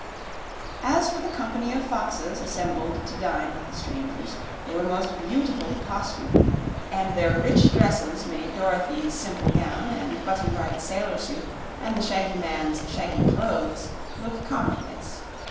As for the company of foxes assembled to dine with the strangers, they were most beautifully costumed, and their rich dresses made Dorothy's simple gown and Button Bright's sailor suit and the shaggy man's shaggy clothes look commonplace.